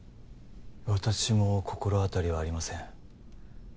私も心当たりはありません